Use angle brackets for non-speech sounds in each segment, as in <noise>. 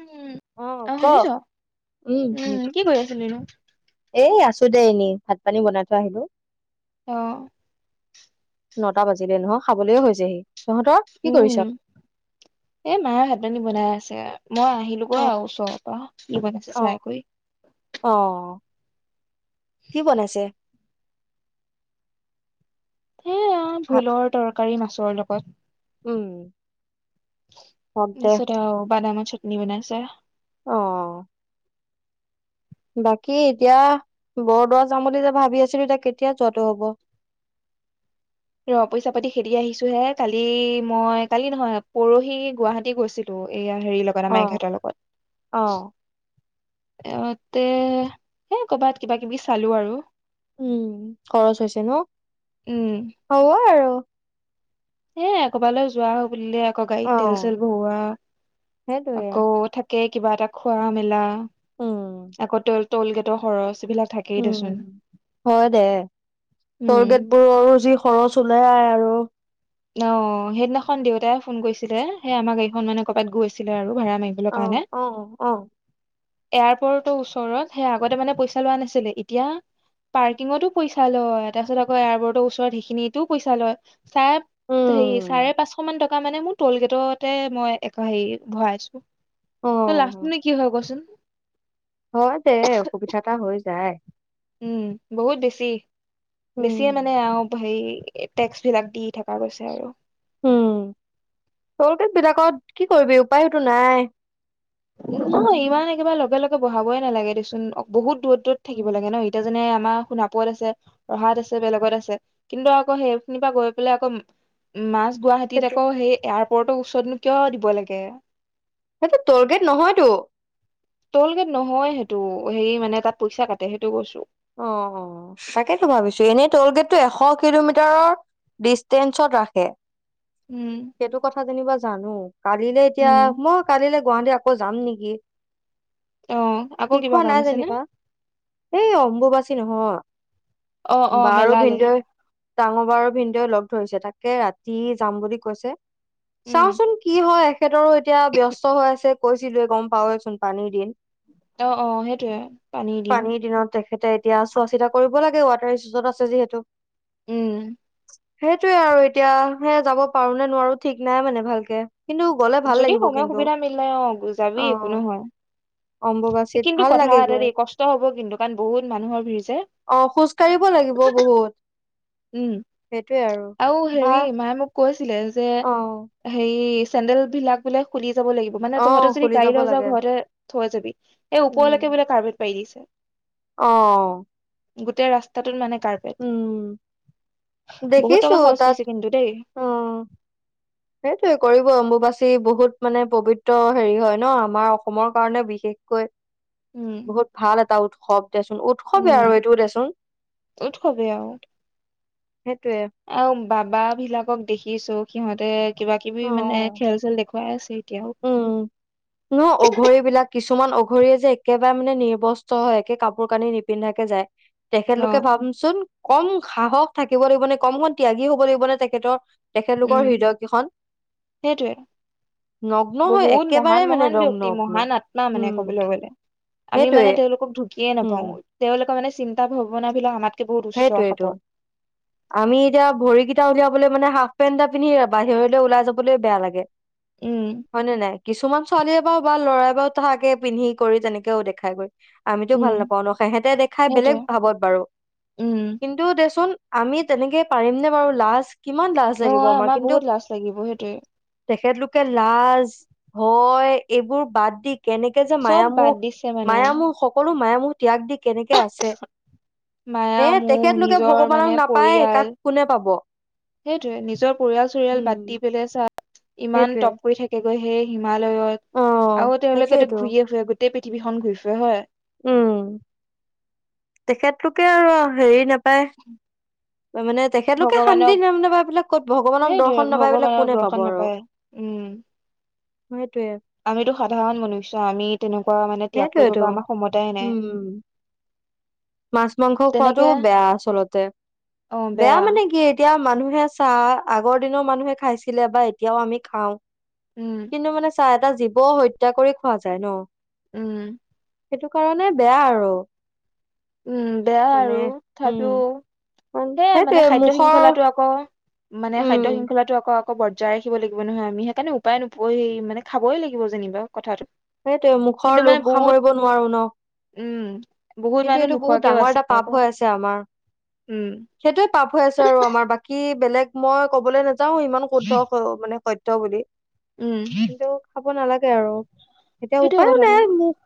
উম অ' কওক উম, শুনিছো কি কৰি আছিলিনো এ আছো দে এনেই ভাত পানী বনাই থৈ আহিলো। অ নটা বাজিলে নহয় খাবলেহে হৈছেহি। তহঁতৰ কি কৰিছ উম, এ মায়ে ভাত পানী বনাই আছে। তে মই আহিলো ক অ ওচৰৰ পৰা কি বনায়ছে অ চাই কৰি। অ কি বনাইছে? সেয়া ভাত ভোলৰ তৰ কাৰী মাছৰ লগত। উম হওক দে পিছত বাদাম চাটনি বনাইছে। অহ, বাকী এতিয়া বৰদোৱা যাম বুলি যেতি ভাবি আছিলো এতিয়া কেতিয়া যোৱাটো হব। ৰ পইচা পাতি খেদি আহিছোহে কালি মই কালি নহয় পৰহি গুৱাহাটী গৈছিলো এয়া। হেৰিৰ লগত অ আমাৰ এখেতৰ লগত। অ এহতে এ কৰবাত কিবা-কিবি চালো আৰু। উম খৰচ হৈছে ন। উম হব আৰু। এয়ে কবালৈ যোৱা হ'ব বুলে আকৌ অ গাড়ীত তেল-চেল ভৰোৱা সেইটোয়ে আকৌ থা কে কিবা এটা খোৱা মেলা, উম আকৌটল টলগেটৰ খৰচ। এইবিলাক থাকেই উম দেচোন হয় দে উম টোগেট বোৰৰো যি খৰচ ওলাই আৰু অ', সেইদিনাখন দেউতাই ফোন কৰিছিলে সেই আমাৰ গাড়ীখন মানে ক'বাত গৈ আছিলে আৰু- ভাড়া মাৰিবলৈ কাৰণে অ', অ', অ'। এয়াৰপৰ্টৰ ওচৰত সেই আগতে মানে পইচা লোৱা নাছিলে এতিয়া পাৰ্কিঙতো পইচা লয় তাৰপিছত আকৌ এয়াৰপৰ্টৰ ওচৰত সেইখিনিটো পইচা লয় চাই সে উম, চাৰে পাঁচশ মান টকা মানে মোৰ টল গেটতে মই হে ভৰাইছো। তই অ', লাষ্ট নে কি হয় কচোন? হয় দে অসুবিধা এটা হৈ যায়। উম বহুত বেছি উম। বেছিয়ে মানে অ', সেই টেক্স বিলাক দি থকা গৈছে আৰু। উম টোলগেট বিলাকত কি কৰিবি উপায়টো নাই। নহয় ইমান একেবাৰে লগে লগে বহাবই নালাগে দেচোন বহুত দূৰত দূৰত থাকিব উম। লাগে ন এতিয়া যেনে আমাৰ সোণাপত আছে ৰহাত আছে বেলেগত আছে কিন্তু আকৌ সেইখিনিৰ গৈ পেলাই আকৌ মাছ গুৱাহাটীত সেইটো, আকৌ সেই এয়াৰ ওপৰৰতৰ ওচৰতনো কিয় দিব লাগে। সেইটো টোগেট নহয়তটো। টোগেট নহয় সেইটো হেৰি মানে তাত পইচা কাটে সেইটো কৈছো। অ', অ ', তাকেতো ভাবিছো এনেই টলগেটটো এশ কিলোমিটাৰৰ ডিষ্টেঞ্চত ৰাখে। উম সেইটো কথা যেনিবা জানো কালিলে এতিয়া উম মই কালিলৈ গুৱাহাটী আকৌ যাম নেকি। অ আকৌ কিবা শিকোৱা কাম নাই আছে নে যেনিবা এই অ ঘ অ অ বাৰো মেলালে ভিন্দৈ ডাঙৰ বা আৰু ভিন্দই লগ ধৰিছে তাকে ৰাতি যাম বুলি কৈছে। উম চাওচোন কি হয়। তেখেতৰো এতিয়া ব্যস্ত হৈ আছে। কৈছিলো গম পাৱচোন পানী দিন। অ', অ', সেইটোৱে পানী দিন। পানীৰ দিনত তেখেতে এতিয়া চোৱা চিতা কৰিব কব লাগে ৱাটাৰত আছে যিহেতু। উম। সেইটোয়ে আৰু এতিয়া সে যাব পাৰো নে নোৱাৰো ঠিক নাই মানে ভালকে। কিন্তু গ'লে ভাল যদি লাগিব সময় কিন্তু সুবিধা মিলে অ যাবি অ একো নোহয় অম্বুবাচীত কিন্তু ভাল কথা লাগে এটা গৈ দেই কষ্ট হব কিন্তু কাৰণ বহুত মানুহৰ ভিৰ যে অ খোজ কঢ়িব লাগিব বহুত উম সেইটোৱে আৰু ভা ক ছিলে যে সে চেডেল বিলাক বোলে খুলি। যাব লাগিব মানে অ তহতে যদি খুলি গাড়ী যাব লৈ যাওঁ লাগে ঘৰতে থৈ যাবি এই উম ওপৰলৈকে বোলে কাৰ্বেট পাৰি দিছে। অ' গোটেই ৰাস্তাটোত মানে উম বহুত দেখিছো টকা খৰচ তাত কৰিছে কিন্তু দেই সেইটোোৱে কৰিব অম্বুবাচী বহুত মানে পবিত্ৰ হেৰি হয় ন আমাৰ অসমৰ কাৰণে বিশেষকৈ উম বহুত ভাল এটা উৎসৱ দেচোন উৎসৱেই আৰু উম এইটো দেচোন উৎসৱে আৰু সেইটোয়ে আৰু বাবা বিলাকক দেখিছো। সিহঁতে কিবা কিবি মানে খেল চেল দেখুৱাই আছে এতিয়াও। উম ন অঘৰী বিলাক কিছুমান অঘৰিয়ীয়ে যে, একেবাৰে মানে নিৰ্বস্ত হয়। একে কাপোৰ কানি নিপিন্ধাকে যায়। ন তেখেতলোকে ভাবচোন। কম সাহস থাকিব লাগিব নে, কমখন ত্যাগি হ'ব লাগিব নে, তেখেতৰ। উম তেখেতলোকৰ হৃদয়কেইখন সেইটোৱে। হয় বহুত একেবাৰে মহান মানে মহান ৰং ব্যক্তি, নগ্ন মহান আত্মা মানে উম কবলৈ গ'লে। আমি সেইটোৱে মানে তেওঁলোকক ঢুকিয়ে উম নাপাওঁ। তেওঁলোকে <unintelligible> চিন্তা, ভাৱনা বিলাক আমাক সেইটোৱেইটো। আমি এতিয়া ভৰিকেইটা উলিয়াবলৈ মানে হাফ পেন্ট এটা পিন্ধি বাহিৰলৈ ওলাই যাবলৈ বেয়া লাগে। উম হয়নে নাই? কিছুমান ছোৱালীয়ে বাৰু বা লৰাই বাৰু থাকে পিন্ধি কৰি যেনেকেও দেখাই বাৰু। আমিতো ভাল উম নাপাওঁ ন, সিহঁতে দেখাই সেইটোৱে বেলেগ ভাবত বাৰু। উম কিন্তু দেচোন আমি তেনেকে পাৰিম নে বাৰু লাজ কিমান লাজ ন, লাগিব আমাৰ কিন্তু বহুত লাজ লাগিব সেইটোৱে। তেখেতলোকে লাজ, ভয় এইবোৰ বাদ দি কেনেকে যে, চব মায়া বাদ মোহ, দিছে মানে মায়া মোহ সকলো মায়া মোহ ত্যাগ দি কেনেকে আছে। মায়া এ মোহ তেখেতলোকে নিজৰ ভগৱানক মানে নাপায় কাক পৰিয়াল, কোনে পাব সেইটোৱে নিজৰ পৰিয়াল চৰিয়াল উম বাদ দি পেলাই চা ইমান সেইটোৱে টপ কৰি থাকে। <unintelligible> হিমালয়ত অ', আৰু তেওঁলোকেতো সেইটোয়েতো ঘূৰিয়েই ফুৰে, গোটেই পৃথিৱীখন ঘূৰি ফুৰে হয়। উম। তেখেতলোকে আৰু হেৰি না <unintelligible> মানে তেখেতলোকে শান্তি <unintelligible> কত ভগৱানক সেইটোয়ে, দৰ্শন নাপাই পেলাই ভগৱানৰ কোনে পাব দৰ্শন আৰু। নাপায়। উম। সেইটোৱে আমিতো সাধাৰণ মনুষ্য আমি তেনে <unintelligible> ত্যাগ কৰিব সেইটোয়েতো পৰা আমাৰ ক্ষমতাই নাই। উম, মাছ, মাংস তেনেকে খোৱাাতটো বেয়া আচলতে। বেয়া মানে কি এতিয়া মানুহে চাহ, আগৰ দিনৰ মানুহে খাইছিলে বা এতিয়াও আমি খাওঁ। উম কিন্তু মানে চা, এটা জীৱ হত্যা কৰি খোৱা যায় ন। উম। সেইটো কাৰণে বেয়া আৰু। উম বেয়া মানে আৰু উম, তথাপিও, সে সেইটোৱে মানে খাদ্য মুখৰ শৃংখলাটো আকৌ, মানে উম, খাদ্য শৃংখলাাতটো আকৌ, আকৌ বজাই ৰাখিব লাগিব নহয়। আমি সেইকাৰণে উপায় নোপই মানে খাবই লাগিব যেনিবা কথাটো। সেইটোৱেই কিন্তু মুখৰ মানে লোভ বহুত সামৰিব নোৱাৰো ন। উম, বহুত কিন্তু মানুহ এইটো বহুত নোখোৱাকেও ডাঙৰ আছে এটা পাপ আকৌ হৈ আছে। আমাৰ উম সেইটোৱে পাপ হৈ আছে আৰু আমাৰ বাকী বেলেগ, মই ক'বলৈ নেয়াও। ইমান কুদ্ধ মানে, সত, ত বুলি, উম, কব নালাগে আৰু, এতিয়া সেইটোয়ে উপায়ো কথাটো নাই মোক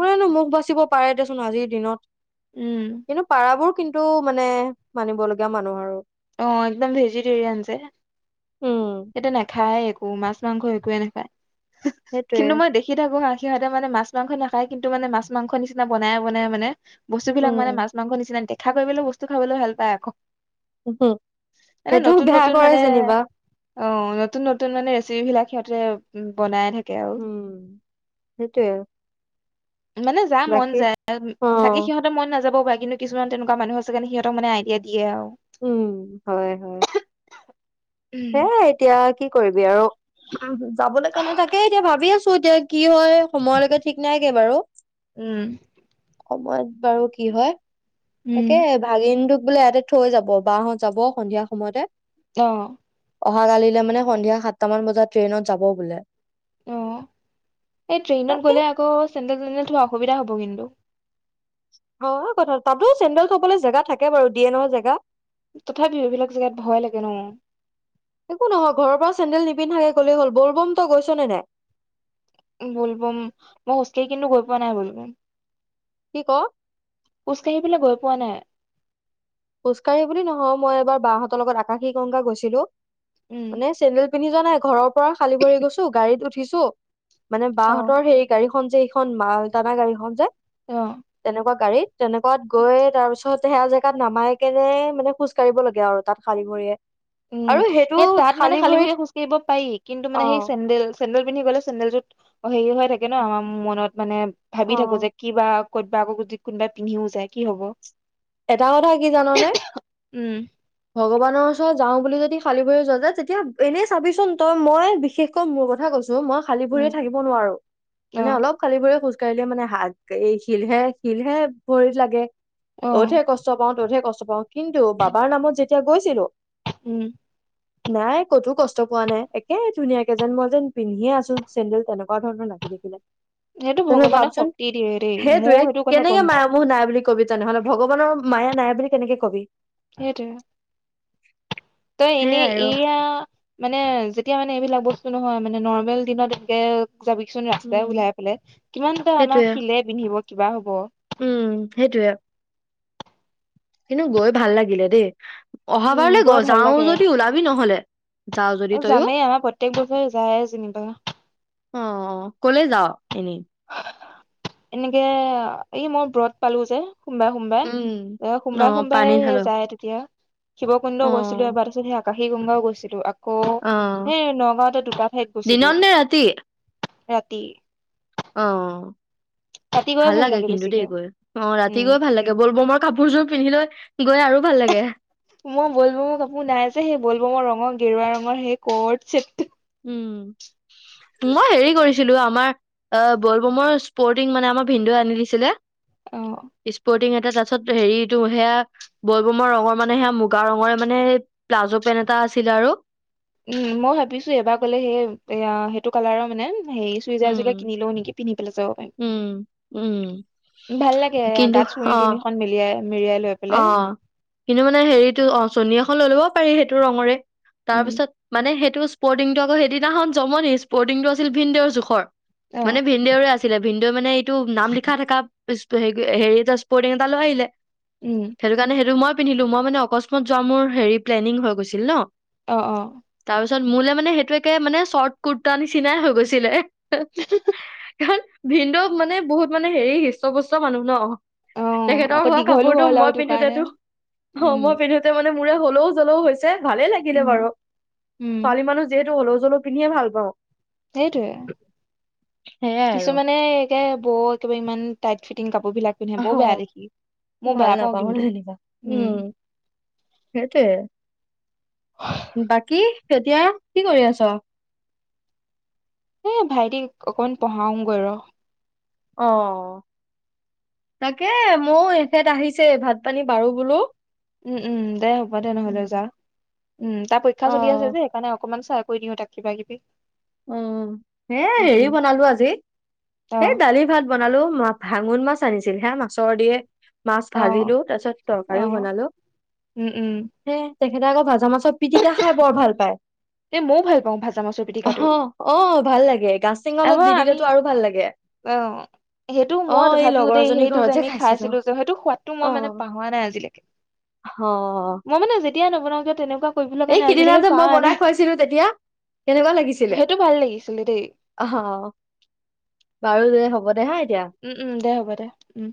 কোনেনো মুখ বাচিব পাৰে দেখুন। কোন আজিৰ দিনত। উম কিন্তু পাৰাবোৰ, কিন্তু মানে মানিব লগগীয়া মানুহ আৰু, অ একদম ভেজিটেৰিয়ান যে, উম এটো নাখায়, মাছ মাংস একোৱে নেখায়। সেইটোয়ে কিন্তু মই দেখি থাকো আ, সিহঁতে মানে মাছ মাংস নাখায় কিন্তু মানে মাছ মাংস নিচিনা বনাইে বনাই মানে, বস্তুবিলাক উম মানে মাছ মাংস নিচিনা,? ধাৰ লবলৈ বস্তু খাবলৈও ভাল পায় আকৌ, উ হ, মানে সেইটো নতুন বেয়া নতুন কৰে মানে যেনিবা, অ নতুন নতুন মানে ৰেচিপি বিলাক সিহঁতে বনাই থাকে। আৰু উম সেইটোয়ে, মানে যা মন বাকী যায় অ চাগে সিহঁতেৰ মন নাযাব। কিন্ত কিছু তেনেকুৱ মানুহ আছে সিহঁক আইডিয়া, দিয়ে আৰু উম হয় হয় সে এতিয়া, কি কৰিবি আৰু যাবলৈ কাৰণে থাকে। এতিয়া ভাবি আছো এতিয়া কি, কি হয় সময়লৈকে ঠিক নাইকে বাৰু। উম সময়ত বাৰু কি হয়। তাকে উম ভাগিনটোক, বোলে ইয়াতে থৈ যাব। বাহত যাব সন্ধিয়া সময়তে, আহ। অহা কালিলে মানে সন্ধিয়া সাতটামান বজাত ট্ৰেইনত যাব বোলে। অ এই ট্ৰেইনত তাকে গ'লে আকৌ চেণ্টেল চেণ্টেল থোৱা অসুবিধা হ'ব কিন্তু। অ কথা তাতো চেণ্ডেল চবলে জেগা থাকে বাৰু ডি এনৰ জেগা। তথাপিও এইবিলাক জেগাত ভয় লাগে ন চেডেল নিপিন্ধাকে ক'লেই হ'ল বলবম তই গৈছ নে নাই? বুললবম মই খোজ কঢ়ি কিন্তু গৈ পোৱা নাই বুলবম। কি ক? খোজকাাঢ়ি পেললৈ গৈ পোৱা নাই। খোজকাঢ়ি বুলি নহয় মই এবাৰ বাহঁতৰ লগত আকাশী গংগা গৈছিলো। উম মানে চেন্দেল পন্ধি জন নাই ঘৰ পৰা খিৰি গৈছো গাড়ী উঠছো ছ <inaudible> মানে অ বাহঁতৰ হেইৰি গাড়ীখন যে খন মাল দানা গাড়ীখন যে অ তেনেকুৱা গাড়ীত! তেনেকুৱাত গৈ তাৰ পিছত জেগাত আমাৰ একেবাৰে মানে খোজ কঢ়িব লাগে আৰু তাত শাৰী ভৰিয়ে। উম আৰু সেইটো সেই তাত মানে খালী ভে ভৰিত খোজ কঢ়িব পাৰি কিন্তু মানে অ সেই চেডেল চেন্দেলন্ধি গলে চেলটোত আকৌ হেৰিও হৈ থাকে ন' উম, আমাৰ মনত মানে, ভাবি থাকোঁ যে অ কিবা ক'তবা বা আকৌ যদি কোনোবাই পিন্ধিও যায় কি হ'ব। এটা কথা কি জাননে উম ভগৱানৰ ওচৰত যাওঁ বুলি যদি খালি ব যোৱা য যে তেতিয়া এনেই চাবিচোন তই মই বিশেষকৈ মোৰ কথা কৈছো মই খালি ভৰি উম থাকিব নোৱাৰো অ মানে অলপ খালি ভৰি খোজো কাইলৈ মানে হাত এই শিলহে শিলহে ভৰিত লাগে অ অত'হে কষ্ট পাওঁ ততহে কষ্ট চ পাওঁ। কিন্তু বাবাৰ নামত যে এতিয়া গৈছিলো। উম। নাই ক'তো কষ্ট পোৱা নাই একে ধুনীয়াকে যেন মই যেন পিন্ধিয়ে আছো চেডেল তেনেকুৱা ধৰণৰ লাগি থাকিলে। সেইটো তেনেহ ভগৱানে ভাবচোন শক্তি দিয়ে দেই সেইটোৱে ময়ও সেইটো কথা গম কেনেকে পাওঁ মায় মোহ নাই বুলি কবি তেনেহলে মায়া নাই বুলি কেনেকে কবি? সেইটোৱে। তই এনে সেইয়াই আৰু এয়া মানে যেতিয়া মানে এইবিলাক বস্তু নহয় মানে নৰ্মেল দিনত এনেকে যাবিচোন ৰাস্তাই উম ওলাই পেলাই কিমান এটা আমাক সেইটোয়ে শিলে পিন্ধিব কিবা হ'ব উম সেইটোৱে। কিন্তু গৈ ভাল লাগিলে দেই। উম, অহাবাৰলৈ গৈ ভাল যাও লাগে যদি ওলাবি নহলে, যাও যদি আৰু তইও। যামেই আমাৰ প্ৰত্যেক বছৰে যায় যেনিবা। অ' কলৈ যাও এনেই? এনেকে, এই মই ব্ৰত পালো যে। সোমবাৰে উম সোমবাৰে অ' সোমবাৰে পানী সোমবাৰে ঢাল যায় তেতিয়া। শিবকুন্দ অ গৈছিলো এবাৰ আকাশী গংগাও গৈছিলো। আকৌ, অ সেই নগাঁওতে দুটা ঠাইত গৈছিলো। দিনত নে ৰাতি ৰাতি। অ'। ৰাতি গৈ ভাল লাগে কিন্তু বেছিকে দেই গৈ, অ' ৰাতি উম। গৈ ভাল লাগে বল বমৰ কাপোৰযোৰ পিন্ধি লৈ। গৈ আৰু ভাল লাগে। মই বলবমৰ কাপোৰ নাই যে, সেই বলবমৰ ৰঙৰ গেৰুৱা ৰঙৰ সেই কো অৰ্থ চেটটো। উম। মই হেৰি কৰিছো ছিলো, আমাৰ আহ বল বমৰ স্পৰ্টিং মানে আমাৰ ভিন্দেও আনি দিছিলে। অ। স্পৰ্টিং এটা এয়া তাৰ পিছত হেৰিটো সেয়া বল বমা ৰঙৰ মানে সেয়া মুগা ৰঙৰে মানে স প্লাজো পেণ্ট এটা আছিলে আৰু। উম, মই ভাবিছো এবাৰ গলে সেই এয়া সেইটো কালাৰৰ মানে সেই চইজাৰ এযোৰকে উম কিনিলও নেকিন্ধি পাৰিম, উম ভাল লাগে কিন্তু গাত অ চুণ- তুণিখন মিলিয়াই <inaudible> অ' কিন্তু মানে হেৰিতটো অ' চুৰ্ণী এখন লৈ ল'ব পাৰি সেইটো ৰঙৰে। তাৰ উম পিছত মানে সেই ত' স্পৰ্টিংটো আকৌ সেইদিনাখন জমনি স্পৰ্টিং টো আছিল ভিনদৰ জোখৰ। অ মানে ভিনদেউৰে আছিলে। ভিনদেউ মানে এইটো নাম লিখা থকা হেৰি স্পটিং এটা লৈ আহিলে। উম সেইটো কাৰণে সেইটো মই পিন্ধিলো মই মানে অকস্মাত যোৱা মোৰ হেৰি প্লেনিং হৈ গৈছিল ন। অ-অ। তাৰপিছত মোলে মানে সেইটো একে মানে চৰ্ট কুৰ্তা নিচিনাই হৈ গৈছিলে। ক ভিনডেও মানে বহুত মানে হেৰি হৃষ্ট্য পুস্ত মানুহ ন? অ তেখেতৰ আকৌ হওক দীঘলো কাপোৰতটো হ'ল আৰু মই তোৰ কাৰণে পিন্ধোতেতো অ উম মই পিন্ধোতে মানে মোৰ হলৌ জলৌ হৈছে ভালে লাগিলে উম বাৰু উম ছোৱালী মানুহ যিহেতু হ'লেও জলো পিন্ধে ভাল পাওঁ। সেয়াই সেইটোৱে আৰু কিছুমানে একে বৰ একেবাৰে ইমান। টাইত ফিটিং কাপোৰ বিলাক পিন্ধে আহ বৰ বেয়া দেখি মই ভাল বেয়া পাওঁ নাপাওঁ কিন্তু জেনিবা উম সেইটোয়ে বাকী এতিয়া কি কৰি আছ? এয়া ভাইটি অকমান পঢ়াওগৈ ৰ। অ তাকে মই এখেত আহিছে ভাত পানী বাৰু বোলো। উম উম দে হ'ব দে নহলে যা। উম তাৰ পৰীক্ষা চলি আছে যে অ সেইকাৰণে অকমান <unintelligible> কৈ দিওঁ তাক কিবা কিবি উ সে উম হেৰি উম বনালো আজি অ সেই দালি ভাত বনালো ম ভাঙন মাছ আনিছিল হা মাছৰ দিয়ে মাছ অ ভাজিলো তাৰ পিছত তৰকাৰীও অ বনালো উম উম হে তেখেতে আকৌ ভাজা মাছৰ পিটিকা খাই বৰ ভাল পায়। এ ময়ও ভাল পাওঁ ভাজা মাছত অ-অ ভাল লাগে গছ আমাৰ আমি অ সেইটো অ মই এই তথাপিও লগৰ দেই জনীৰ সেইটো ঘৰত যে আমি খাইছিলো যে সেইটো সোৱাদটো অ মই মানে পাহৰা নাই আজিলৈকে অ মই মানে তেতিয়া নবনাওঁ তেনেকোৱা এই সিদিনা যে মই বনাই খুৱাইছিলো তেতিয়া কেনেকুৱা লাগিছিলে সেইটো ভাল লাগিছিলে দেই অ অ বাৰু দে হ'ব দে হা এতিয়া উম-উম দে হ'ব দে উম।